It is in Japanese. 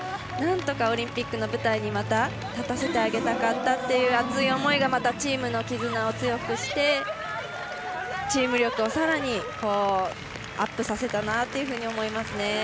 なんとかオリンピックの舞台にまた立たせてあげたかったという熱い思いがまたチームの絆を強くしてチーム力をさらにアップさせたと思います。